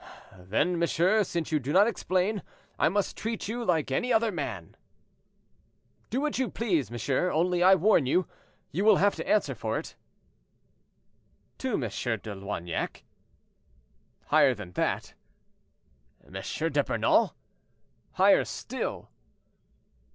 "Then, monsieur, since you do not explain, I must treat you like any other man." "Do what you please, monsieur; only I warn you, you will have to answer for it." "To M. de Loignac?" "Higher than that." "M. d'Epernon?" "Higher still."